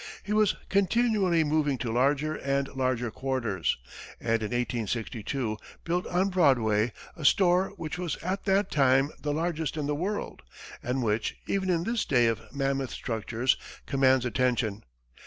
He was continually moving to larger and larger quarters, and in 1862, built on Broadway a store which was at that time the largest in the world, and which, even in this day of mammoth structures, commands attention.